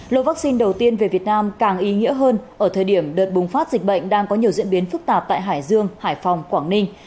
lô vaccine đầu tiên về việt nam càng ý nghĩa hơn ở thời điểm đợt bùng phát dịch bệnh đang có nhiều diễn biến phức tạp tại hải dương hải phòng quảng ninh